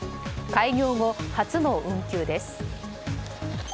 開業後初の運休です。